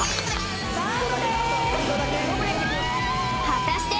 果たして